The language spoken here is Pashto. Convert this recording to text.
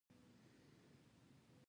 ګاوتې خوندورې دي.